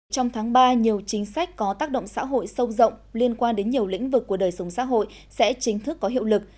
trong tháng ba nhiều chính sách có tác động xã hội sâu rộng liên quan đến nhiều lĩnh vực của đời sống xã hội sẽ chính thức có hiệu lực